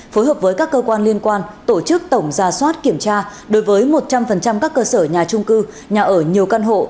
phối hợp với các cơ quan liên quan tổ chức tổng ra soát kiểm tra đối với một trăm linh các cơ sở nhà trung cư nhà ở nhiều căn hộ